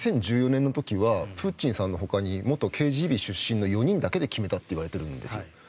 ２０１４年の時はプーチンさんのほかに元ＫＧＢ出身の４人だけで決めたといわれているんです。